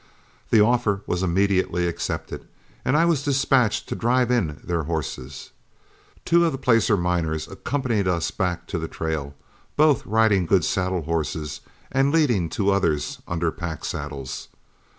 The offer was immediately accepted, and I was dispatched to drive in their horses. Two of the placer miners accompanied us back to the trail, both riding good saddle horses and leading two others under pack saddles.